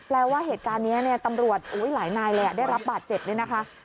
แล้วว่าเหตุการณ์นี้ตำรวจหลายนายเลยได้รับบาดเจ็บเนี่ยนะคะ